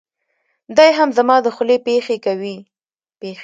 دی هم زما دخولې پېښې کوي.